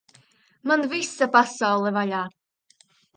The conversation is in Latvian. Man visa pasaule vaļā!